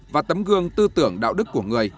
và tấm gương tư tưởng đạo đức của người